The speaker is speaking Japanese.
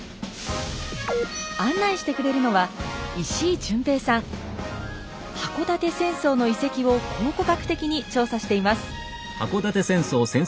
案内してくれるのは箱館戦争の遺跡を考古学的に調査しています。